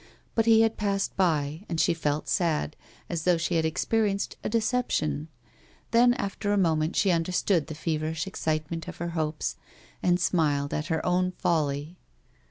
But he had passed by and she felt sad, as though she had ex perienced a deception ; then after a moment she understood the feverish excitement of her hopes, and smiled at her own folly.